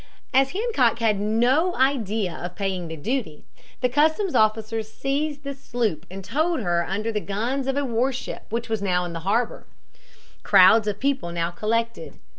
As Hancock had no idea of paying the duty, the customs officers seized the sloop and towed her under the guns of a warship which was in the harbor. Crowds of people now collected.